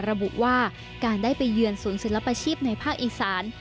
ระบุว่าการได้ไปเยือนศูนย์ศิลปชีพในภาคอีสาน